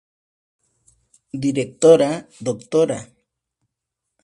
Directora: Dra.